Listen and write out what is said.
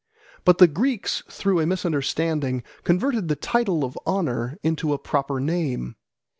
But the Greeks through a misunderstanding converted the title of honour into a proper name.